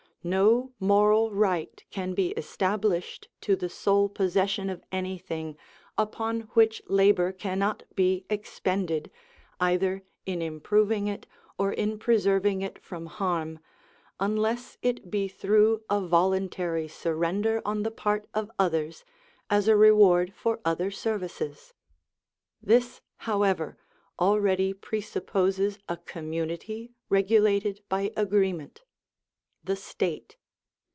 No moral right can be established to the sole possession of anything upon which labour cannot be expended, either in improving it or in preserving it from harm, unless it be through a voluntary surrender on the part of others, as a reward for other services. This, however, already presupposes a community regulated by agreement—the State.